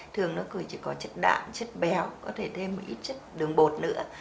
thường nó cử chỉ có chất đạm chất béo có thể thêm một ít chất đường bột nữa